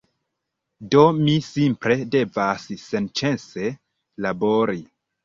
Do mi simple devas senĉese labori.